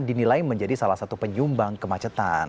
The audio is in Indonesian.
dinilai menjadi salah satu penyumbang kemacetan